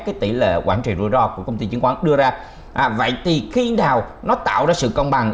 cái tỷ lệ quản trị rủi ro của công ty chứng khoán đưa ra vậy thì khi nào nó tạo ra sự công bằng